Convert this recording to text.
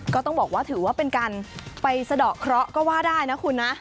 ก็ต้องบอกว่าถือว่าเป็นการไปสะดอกเคราะห์ก็ว่าได้นะคุณนะ